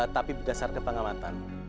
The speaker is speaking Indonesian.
tapi berdasarkan pengamatan